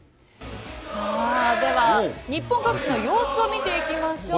では日本各地の様子を見ていきましょう。